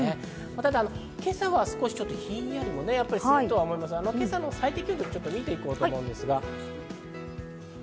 ただ今朝は少し、ちょっとひんやりとすると思うんですけど、今朝の最低気温を見て行こうと思います。